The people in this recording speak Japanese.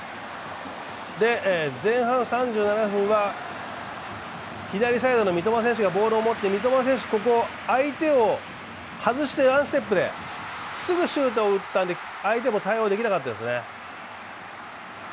前半３７分は左サイドの三笘選手がボールを持って三笘選手、ここ相手を外してワンステップですぐシュートを打ったんで、相手も対応できなかったですね。